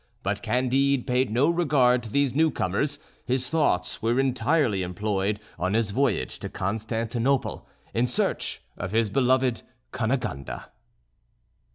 But Candide paid no regard to these newcomers, his thoughts were entirely employed on his voyage to Constantinople, in search of his beloved Cunegonde.